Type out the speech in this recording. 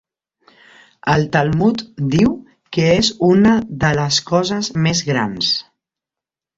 El Talmud diu que és una de les coses més grans.